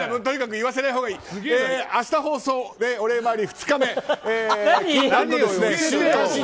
とにかく言わせないほうがいい。